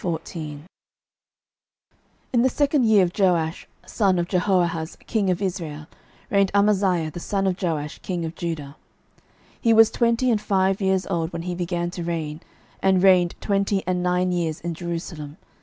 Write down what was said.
12:014:001 In the second year of Joash son of Jehoahaz king of Israel reigned Amaziah the son of Joash king of Judah. 12:014:002 He was twenty and five years old when he began to reign, and reigned twenty and nine years in Jerusalem.